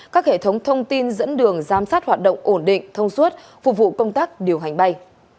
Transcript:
các hệ thống thông tin dẫn đường giám sát hoạt động ổn định thông suốt phục vụ công tác điều hành bay